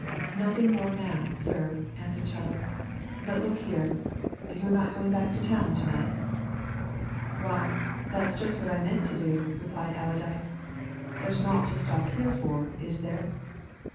"Nothing more now, sir," answered Chettle. "But look here you're not going back to town to night?" "Why, that's just what I meant to do," replied Allerdyke. "There's naught to stop here for, is there?"